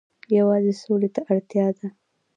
یوازې سولې ته اړتیا ده.